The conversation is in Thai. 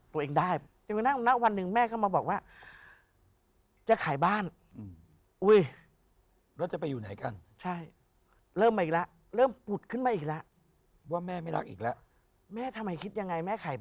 ทุกคนในบ้านก็ดูแลตัวเอง